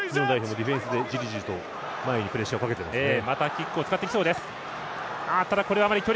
ディフェンスでじりじりと前にプレッシャーをかけていますね。